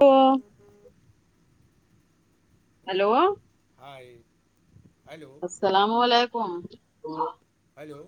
تو hello hi hello السلام علیکم ہیلو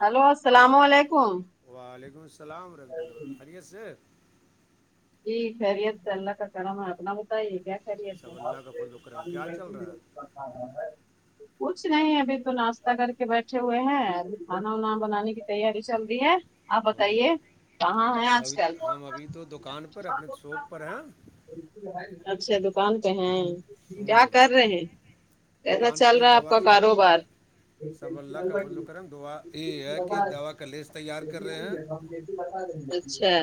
ہیلو اسلام علیکم وعلیکم السلام رحمۃاللہ وبرکاتہ خیریت سے جی خیریت سے اللہ کا کرم ہے اپنا بتائیے کیا خیریت سب اللہ کا ہے فضل و کرم کیا چل رہا ہے [inaudible] کچھ نہیں ابھی تو ناشتہ کر کے بیٹھے ہوئے ہیں اب کھانا وانا بنانے کی تیاری چل رہی ہے آپ بتائیے ہاں کہاں ہیں آج ابھی تو- کل ہم ابھی تو دکان پر اپنے شاپ پر ہیں اچھے دکان پہ ہیں کیا ہوں کر رہے ہیں کیسا دکان چل کے رہا ہے آپ دوا کا د کاروبار سب اللہ کا فضلو کرم دعا یہ ہے کہ دوا کا لیس تیار کر رہے ہیں اچھا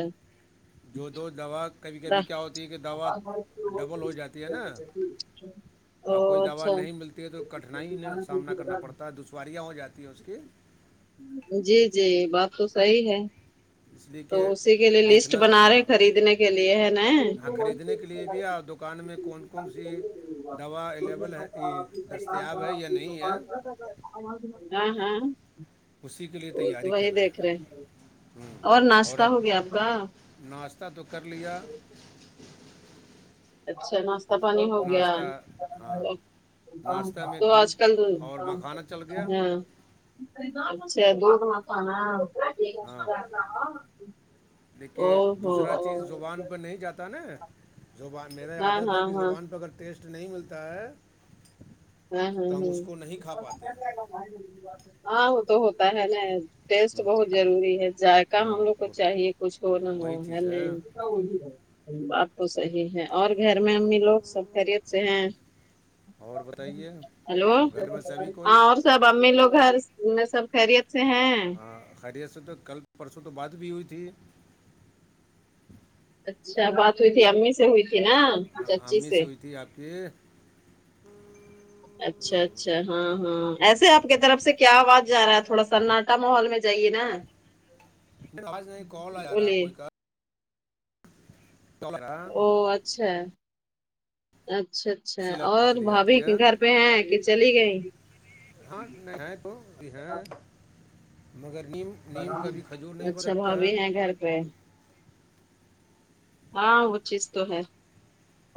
جو دو دوا کبھی کبھی کیا ہوتی ہے کہ دوا ڈبل ہو جاتی ہے ناں او اور کوئی دوا اچھا نہیں ملتی ہے تو کٹھنائی سامنا کرنا پڑتا ہے دشواریاں ہو جاتی ہیں اس کی جی جی بات تو صحیح ہے اس لیے تو کہ اسی کے لیے لسٹ دیکھنا بنا ہاں رہے خریدنے کے لیے ہے ہاں خریدنے کے لیے بھی اور دکان میں کون کون سی دوا اویلیبل ہے یہ دستیاب ہے یا نہیں ہے ہاں ہاں اسی کے لیے وہ تو تیاری وہی کر دیکھ رہے ہیں ہوں اور ناشتہ ہو گیا آپ کا ناشتہ تو کر لیا اچھا ناشتہ پانی ہو گیا ناشتہ ہاں ناشتہ میں تو آج دودھ کل اور مکھانا چل گیا ہاں اچھا ہاں او دیکھیے ہو دوسرا چیز زبان پر نہیں جاتا ناں زبان میرے ہاں عادت ہے ہاں کہ ہاں زبان پہ اگر ٹیسٹ نہیں ملتا ہے ہاں ہاں تو ہم ہاں اس کو نہیں کھا پاتے ہاں وہ تو ہوتا ہے ناں ٹیسٹ بہت ضروری ہے ذائقہ ہم ہاں لوگ کو وہ- چاہیے کچھ ہو نہ ہو وہی ہے چیز نہیں بات تو صحیح ہے اور گھر میں امی لوگ سب خیریت سے ہیں اور بتائیے [unintelligible] ہیلو گھر میں سبھی کوئی ہاں اور سب امی لوگ گھر میں سب خیریت سے ہیں ہاں خیریت سے تو کل پرسوں تو بات بھی ہوئی تھی اچھا بات ہوئی تھی امی سے ہوئی تھی ناں ہاں چاچی امی سے ہوئی تھی آپ کی اچھا ایک اچھا ہاں ہاں ایسے آپ کی طرف سے کیا آواز جا رہا ہے تھوڑا سناٹا ماحول میں جائیے ناں آج نہیں کال آ جا رہا ہے بولیے کوئی کر آ رہا او اچھا اچھا اچھا اسی لحاظ اور چلی بھابھی جاتی ہے گھر پہ ہیں کہ چلی گئی ہاں ہے تو ابھی ہیں مگر نیم نیم کابھی کھجور نہیں ہو اچھا سکتا ہے بھابھی ہیں گھر پہ ہاں وہ چیز تو ہے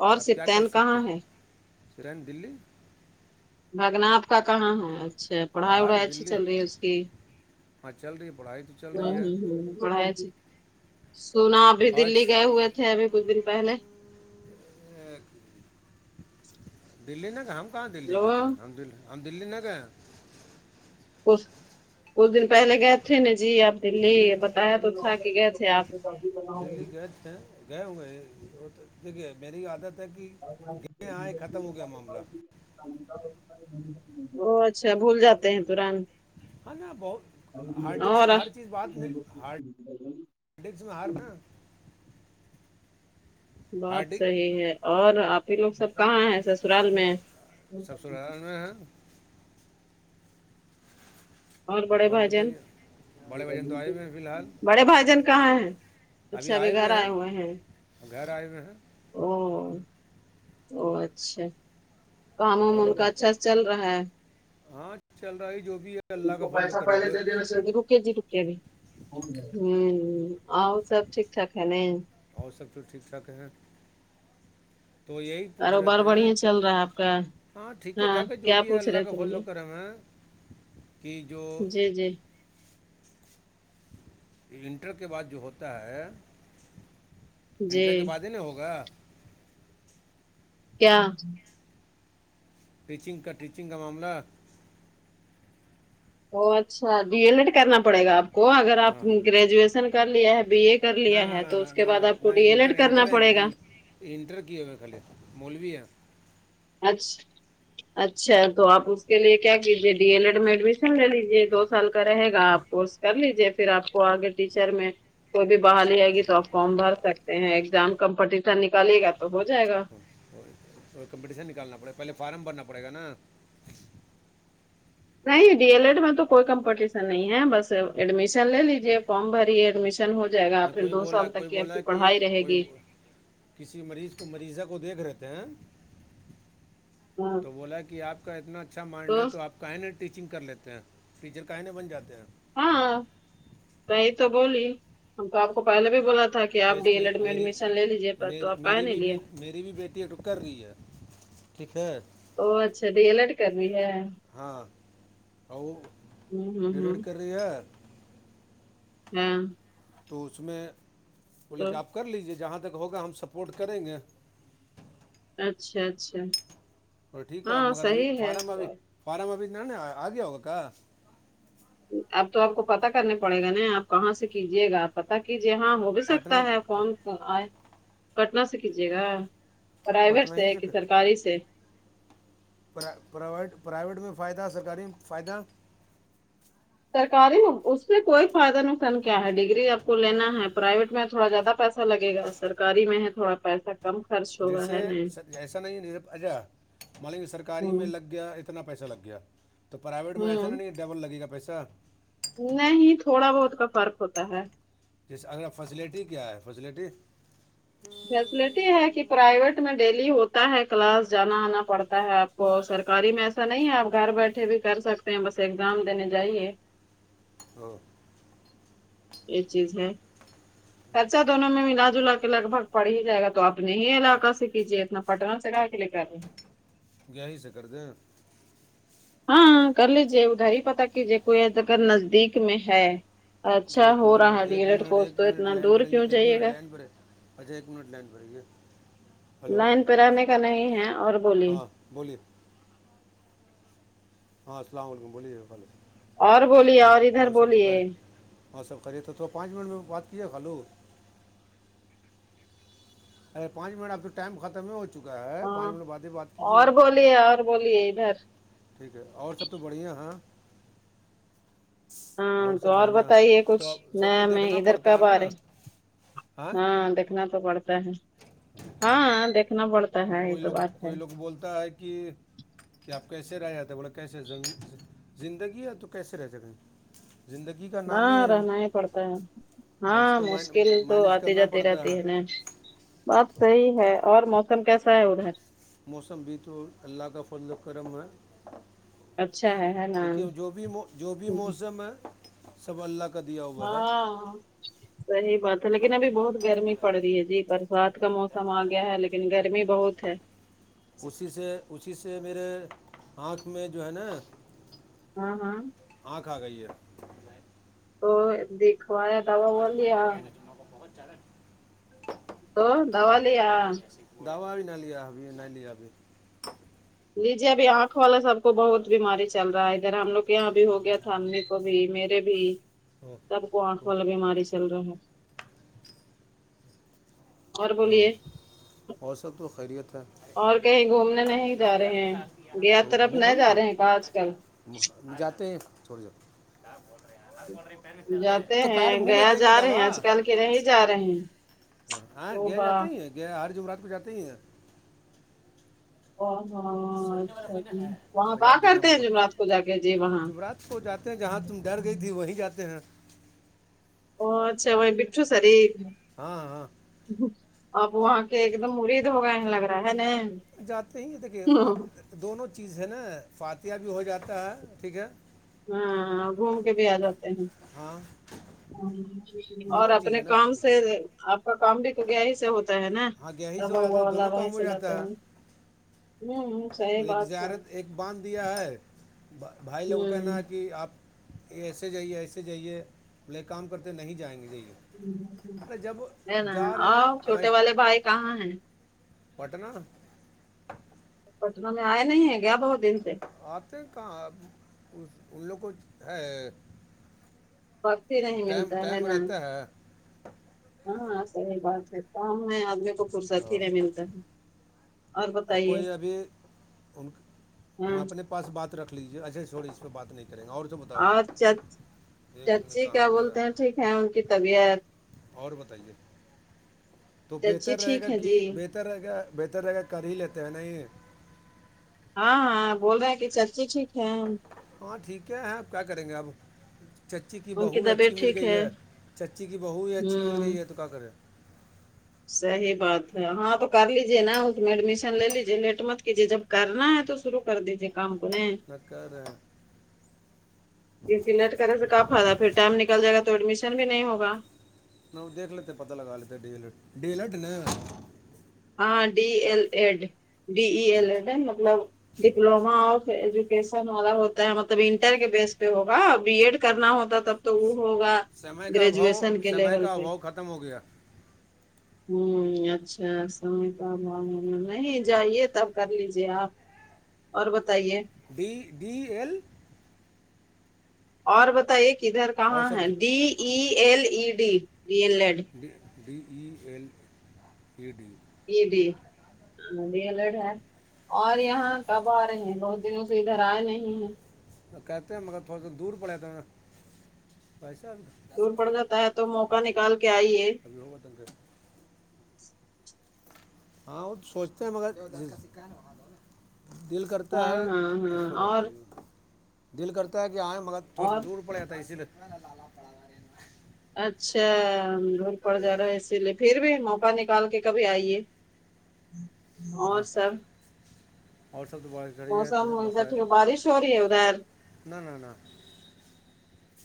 اور سفطین کہاں ہے کرین دلی بھگنا آپ کا کہاں ہے اچھا پڑھائی باہر وڑھائی اچھی دلی چل رہی ہے اس کی ہاں چل رہی ہے پڑھائی تو چل رہی ہے پڑھائی اچھی سونا ابھی آج دلی گئے ہوئے تھے ابھی کچھ دن پہلے دلی میں کہاں کہاں دلی لو گئے تھے ہم ہم دلی نہیں گئے ہیں کچھ کچھ دن پہلے گئے تھے ناں جی آپ دلی بتایا تو تھا کہ گئے تھے آپ [unintelligible] دلی گئے تھے گئے ہوئے دیکھیے میری عادت کہ آئے ختم ہو گیا معاملہ وہ اچھا بھول جاتے ہیں تورنت ہاں ناں بہت ہارڈ ڈسک میں ہر چیز بات نہیں ہارڈ ہار ڈک میں ہر بات ہارڈ ڈسک صحیح ہے اور آپی لوگ سب کہاں ہیں سسرال میں سسرال میں ہے اور بڑے بھائی جان بڑے وزن تو آئے ہوئے ہیں فی الحال بڑے بھائی جان کہاں ہے اچھا ابھی گھر آئے ہوئے ہیں او او اچھا کام وم اور ان کا بتائیے اچھا سے چل رہا ہے ہاں چل رہا ہے جو بھی ہے اللہ کا فضل پیسہ پہلے کرب دی رکے جی رکے بھی ہ آپ سب ٹھیک ٹھاک ہے نا اور سب کچھ ٹھیک ٹھاک ہے تو یہی پوچھ کاروبار رہےتے ہیں بڑھیا کہ چل رہا ہے آپ کا ہاں ٹھیک ہے ٹھاکا ہے جو کیا بھی ہے پوچھ اللہ رہے کا تھے فضل بولے و کرم ہے کہ جو جی جی انٹر کے بعد جو ہوتا ہے جی انٹر کے بعد ہی نہیں ہوگا کیا ٹیچنگ کا ٹیچنگ کا معاملہ او اچھا بی ایل ایڈ کرنا پڑے گا اب کو اگر آپ گریجویشن کر لیا ہے بی اے کر نہ لیا نہ ہے نہ تو نہ اس کے نہ بعد آپ کو ڈی ایل ایڈ کرنا پڑے گا ا انٹر کیا ہوئے پہلے موولوی ہے اچھا اچھا تو آپ اس کے لیے کیا کیجے ڈی ایل ایڈ میں ایڈمیشن لے لیجے دو سال کا رہے گا آپ کورس کر لیجے پھر آپ کو آگے ٹیچر میں کوئی بھی بحالی آئے گی تو آپ فارم بھر سکتے ہیں ایگزام کمپٹیشن نکالے گا تو ہو جائے گا کمپٹیشن نکالنا پڑےا پہلے فارم بھرنا پڑے گا نا نہیں ڈی ایل ایڈ میں تو کوئی کمپٹیشن نہیں ہے بس ایڈمیشن لے لیجے فارم بری ہے ایڈمیشن ن ہو جائے گا نہ پھر کوئی دو بولا سال تک کوئی کی آپ بولا کی کہ پڑھائی رہے کوئی گی کسی مریض کو مریضہ کو دیکھ رہتے ہیں ہاں، تو بولا کہ آپ کا اتنا اچھا مائنڈ ہے تو آپ کہہنے ٹیچنگ کر لیتے ہیں ٹیچر کہہ نا بن جاتے ہیں ہاں میں نے تو بولی ہم تو آپ کو پہلے بھی بولا تھا کہ کہ کیا آپ اس ڈی ایل کی ایڈ میں میری ایڈمیشن لے لیجیے پر تو میری آپ کہے میری نہیں بھی لیے بیٹ میری بھی بیٹی ہے ڈی ایل ایڈ کرر رہی ہے ٹھیک ہے [unintelligible] او اچھا تو ڈی ایل ایڈ کررہی ہے ہاں ہوں ہوں ڈی ایل ایڈ ہوں کر رہی ہے ہاں تو اس میں بولے تو کہ آپ کر لیجیے جہاں تک ہوگا ہم سپورٹ کریں گے اچھا اچھا تو ٹھیک ہے ہاں مگر ابھی صحیح ہے فارم ابھی تو فارم ابھی آ گیا ہوگا کا اب تو آپ کو پتا کرنے پڑے گا نا آپ کہاں سے کیجیے گا آپ پتا کیجیے ہاں ہو ہو پٹنہ سکتا ہے فارم آے پٹنا سے کیجیے گا پرائیویٹ پٹنہ سے ہی ہے کہ سرکاری سے پر پرائیویٹ پرائیویٹ میں فائدہ سرکاری میں فائدہ سرکاری اس میں کوئی فائدہ نقصان کیا ہے ڈگری آپ کو لینا ہے پرائیویٹ میں تھوڑا زیادہ پیسہ سا لگے گا سرکاری میں ہے تھوڑا پیسہ کم خرچ ہوگا جیسے ہے نہیں ایسا نہیں مانلے سرکاری ہوں میں لگ گیا ات اتنا پیسہ لگ گیا تو پرائیویٹ میں ایسا نا ہوں نہیں ڈبل لگے گا پیسہ نہیں تھوڑا بہت کا فرق ہوتا ہے جیس ا فیسیلٹی کیا ہے فیسیلٹی فیسلٹی ہے کہ پرائیویٹ میں ڈیلی ہوتا ہے کلاس جانا آنا پڑتا ہے آب وہ سرکاری میں ایسا نہیں ہے آپ گھر بیٹھے بھی کر سکتے ہیں بس ایگزام دینے جاہے ہاں یہ چیز ہے خرچہ دونوں میں ملا جلا کے لگ بھگ پڑ ہی جائے گا تو اپنے ہی علاقہ سے کیجیے اتنا پٹن سے کا ہے لیے کر رہے ہیں یہیں سے کر دیں ہاں کر لیجے ادھر ہی پتا کیجئے کوئی اگر نزدیک میں ہے اچھا ایک ہو رہا منٹ ایک [unintelligible] منٹ کورس ایک تو منٹ اتنا لائن دور پہ رہیے کیوں ایک جائیے منٹ گا لائن پہ رہیے اچھا ایک منٹ لائن پہ رہیے ہلو لائن پہ رہنے کا نہیں ہے اور بولیے ہاں بولیے ہاں السلام علیکم بولیے اور بولیے ہاں اور ادھر سب تو بولیے خیر اور سب خیریت تو تھوڑ پانچ منٹ میں بات کہی ہیلو [unintelligible] ارے پانچ منٹ اب تو ٹائم ختم ہو ہو چکا ہے ہاں پانچ منٹ بعد ہی بات اور کیجئے بولیے اور بولیے ادھر ٹھیک ہے اور سب تو بڑھیا ہیں ہاں تو سب اور بڑھیا بتائیے کچھ تو اب سب کو نیا میں دیکھنا ادھر پڑتا ہے کب نا آرہے ہاں دیکھنا تو پڑتا ہے ہاہاں دیکھنا پڑ ان لوگ کوئی لوگ بولتا ہی کہ کیا آپ کیسے رہ جاتے بولو کیسے زندگی ہے تو کیسے رہ سکیں زندگی کا نام ہاں ہے رہنا ہی پڑتا ہے اب ہاں اس کو مین- مشکل تو مینج آتی کرنا جاتی پڑتا رہتی ہے نا بات صحیح ہے اور موسم کیسا ہے ادھر موسم بھی تو اللہ کا فضل وه کرم ہے اچھا ہے ہے نا دیکھیے جو بھی جو بھی موسم ہے سب اللہ کا دیا ہوا ہے ہاں [unintelligible] صحیح بات ہے لیکن ابھی بہت گرمی پڑگئی ہے جی برسات کا موسم آ گیا ہے لیکن گرمی بہت ہے اسی سے اسی سے میرے آنکھ میں جو ہے نا ہاں ہاں ہاں کھا گئی ہے تو دیکھوایا دوا ہوا لیا چڑیں تو دوا لیا دوا ہی نہیں لیا ابھی نہیں لیا ابھی جی جی ابھی آنکھ والا سب کو بہت بیماری چل رہا ہے ادھر ہم لوگ کے یہاں بھی ہو گیا تھاہم بھی انکو بھی میرے بھی او، سب کو آنکھ تو والا بیماری چل رہا ہے اور ہو بولیے اور سب تو خیریت ہے اچھا اور کہیں گھومنے نہیں جا رہے اچار ہیں بنادی گیا طرف منہ نہیں جا کھولنا رہے ہیں کا آج کل [unintelligible] ہم جاتے ہیں تھوڑی کیا بول رے ہم کو پیر میں درد ہے جاتے تو پیر ہیں منہ میں گیا جا رہے ہیں دینئیگےدوا آج کل کے نہیں جا رہے ہیں ہاں تو گیا با جاتے ہی ہیں گیا ہر جمعرات کو جاتے ہی ہیں ا ہاں [unintelligible] سونچنے والا اچھا کوئی جی نہیں ہے وہاں با بازار دیکھے کرتے ہم ہیں کو جمعرات جا کے جی وہاں جمرات وہ جاتے ہیں جہاں تم ڈر گئی تھی وہی جاتے ہیں او اچھا وہ بیٹو سری ہاں ہاں ہمم اب وہاں کے ایک دم مرید ہوگئے لگ رہا ہے نا جاتے ہی ہیں دیکھیے اب دونوں چیز ہے نا فاتحہ بھی ہو جاتا ہے ٹھیک ہے ہاں گھوم کے بھی آجات ہاں ہ [unintelligible] اور دونوں چیز اپنے ہے نا کام سے آپ کا کام بھی کوڈیا ہی سے ہوتا ہے نا ہاں گیا ہی سے اب ہو جاتا وہ ہے دونوں اللہ ولی کام ہو سے ملاتے جاتا ہیں ہے ام ام تو صحیح ایک بات ہے زیارت ایک باہن دیا ہے بھائی لوگوں کن ہوں اتی آپ ایسے جائیے ایسے جائیے بلے کام کرتے نہیں جائیں دگے ہے نا رہے آؤ ہیں چھوٹے اویس والے بھائی کہاں ہیں پٹنہ پٹنہ میں آئے نہیں ہے گا بہت دن سے آتے کہاں اب اس ان لوگ کو ہے وقت ہی نہیں ٹاںم ملتا ہے ٹائم نا رہتا ہے ہاں صحیح بات ہے کام میں آدمی کو فرصت ہی نہیں ملتا ہے اور ا بتائیے کوئی ابھی ہاں انا اپنے پس بات رکھ لیجیے اجے چھوڑ اسپر بات نہیں کر ںیگے اور تو بتاؤ اورچچ ایک چچی منٹ کیا کہاں گیا بولتے ہیں ٹھیک ہے ان کی طبیعت اور بتائیے تو چچی بہتر رہے گا ٹھیک ہے کہ جی بہتر رہے گا بہتر رہے گا کر ہی لیتے ہیں نہیں یہ ہاں ہاں بول رہے ہیں کہ چچی ٹھیک ہےہم ہاں ٹھیک ہے کیا کریں گے اب چچی کی ان بہو اچھی طبیعت مل ٹھیک گئی ہے چچی کی بہو ہی اچھی مل ہوں گئی ہے تو کیا کرے صحیح بات ہے ہاں تو کر لیجے نا اس میں ایڈمیشن لے لیجے لیٹ مت کیجیے جب کرنا ہے تو شرو کر دیجیے کام کونے [unintelligible] اتنی لیٹ کرنے سے کا فائدہ پھر ٹائم نکل جائے گا تو ایڈمیشن بھی نہیں ہوگا نہیں وہ دیکھ لیتے پتہ لگا لیتے ڈی لٹ ایڈ نے ہاں D L Ed D E L Ed اچھا ہے مطلب ڈپلوما آف ایجوکیشن والا ہوتا ہے مطلب انٹر کے بیس پے ہوگا بی ایڈ کرنا ہوتا تب تو وہ ہوگا سمے کا ابھاؤ گریجویشن کے سمے لیول کا پے ابھاؤ ختم ہو گیا ہمم اچھا کام وام مطلب نہیں جائیے تب کر لیجے آپ اور بتائیے بیی ڈی ایل اور بتائیے کدھر اور کہاں ہے سب D E L E D D L Ed D E L E D A D B L Ed ہے اور یہاں کب آ رہے ہیں بہت دنوں سے ادھر آئے نہیں ہیں تو کہتے ہیں مگر تھوڑا سا دور پڑے تو گا بھائی صاحب دور پڑ جاتا ہے تو موقع نکال کے آئیے [unintelligible] ہاں وہ تو سوچتے ہیں مگر دل کرتا ہاں ہے ہاں اس ہاں پے دال اور دیجیے دل کرتا ہے کی آئے مگر تھوڑا اور دور پڑ جاتا ہے اسی لیے اچھا دور پڑ جا رہا ہے اسی لیے پھر بھی موقع نکال کے کبھی آئیے اور سب اورسب دعا ہے موسم ادھر ٹھیک ہے بارش ہو رہی ہے ادھر نہ نہ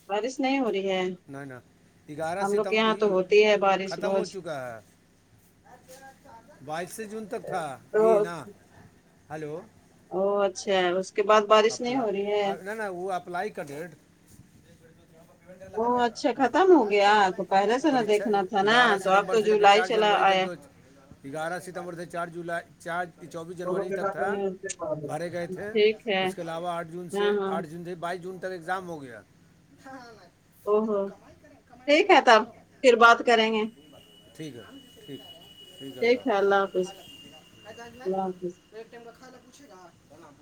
بارش نہیں ہو رہی ہے نہ نہ گیارہ ہم لوگ ستم کے یہاں ہی تو ہوتی ہے بارش ختم ہو روز چکا ہے بائیس سے جون تک تھا یے روز نا ہلو او اچھا اس کے بعد بارش نہیں اپلا ہو رہی ہے اگا نہ وہ اپلائی کا دیٹ وہ اچھا ختم ہو گیا تو پہلے سے نہ پڑاچا دیکھنا تھا نا گیارہ تو اب ستمبر تو سے لے کے جولائی چار چلا جنوری تک آیا جو گیارہ ستمبر سے چار جولائی چار چوبیس جنوری تک تھا بھرے گئے تھے ٹھیک ہے اس کے علاوہ آٹھ جون ہاں سے ہاں آٹھ جون سے بائیس جون تک ایگزام ہو گیا او ہو ٹھیک ہے تب [unintelligible] پھر بات کریں گے ٹھیک ہے ٹھیک ہے ٹھیک ہے اللہ حافظ اللہ حافظ تو ایک ٹم میں کا کھانا پوچے گا